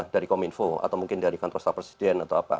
dari kominfo atau mungkin dari kantor staf presiden atau apa